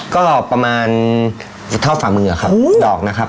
ก็ประมาณเท่าฝ่ามือครับดอกนะครับ